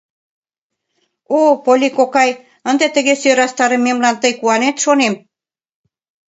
— О, Полли кокай, ынде тыге сӧрастарымемлан тый куанет шонем!